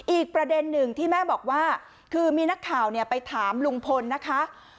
อีกประเด็นหนึ่งที่แม่บอกว่าคือมีนักข่าวไปถามลุงพลนะคะ